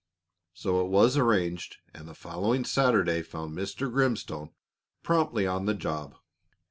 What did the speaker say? So it was arranged, and the following Saturday found Mr. Grimstone promptly on the job.